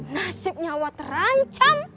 nasib nyawa terancam